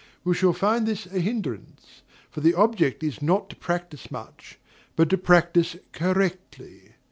We shall find this a hindrance; for the object is not to practise much, but to practise correctly.